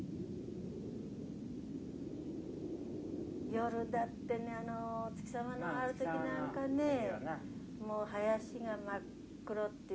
夜だってねあのお月様がある時なんかねもう林が真っ黒っていう感じでね